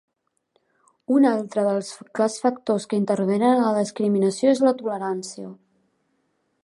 Un altre dels clars factors que intervenen en la discriminació és la tolerància.